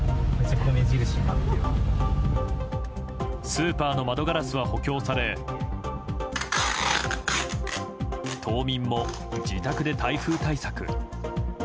スーパーの窓ガラスは補強され島民も自宅で台風対策。